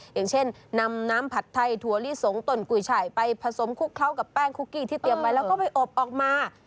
อย่างเช่นนำน้ำผัดไทยถั่วลิสงตนกุยฉ่ายไปผสมคลุกเคล้ากับแป้งคุกกี้ที่เตรียมไว้แล้วก็ไปอบออกมา